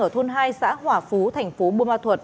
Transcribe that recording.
ở thôn hai xã hòa phú tp buôn ma thuật